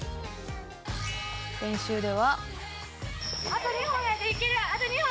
練習では。